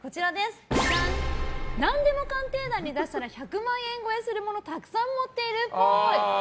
「なんでも鑑定団」に出したら１００万円超えするものたくさん持っているっぽい。